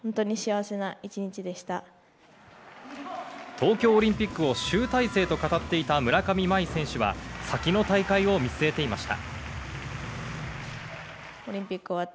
東京オリンピックを集大成と語っていた村上茉愛選手は、先の大会を見据えていました。